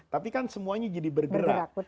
tapi kan semuanya jadi bergerak